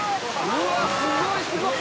「うわっすごいすごい！」